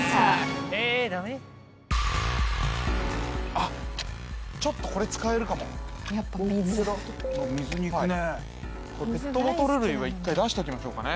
あっちょっとこれ使えるかもやっぱ水水に行くねペットボトル類は一回出しておきましょうかね